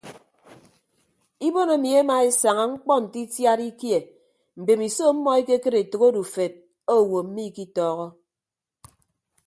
Ibon emi emaesaña mkpọ nte itiad ikie mbemiso ọmmọ ekekịd etәk odufed owo mmikitọọhọ.